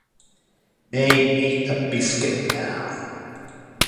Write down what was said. May eat a biscuit now.